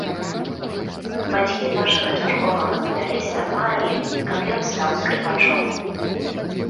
Бацькі нашага чарговага металіста марылі, каб ён стаў скрыпачом.